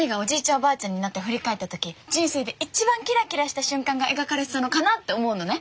おばあちゃんになって振り返った時人生で一番キラキラした瞬間が描かれてたのかなって思うのね。